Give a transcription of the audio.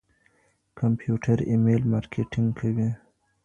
کمپيوټر ايميل مارکېټنګ کوي.